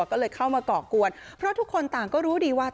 ก็เลยเข้ามาก่อกวนเพราะทุกคนต่างก็รู้ดีว่า